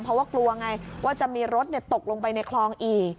เพราะว่ากลัวไงว่าจะมีรถตกลงไปในคลองอีก